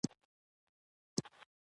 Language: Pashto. هغوی د نجونو د حق کچه ټیټوله.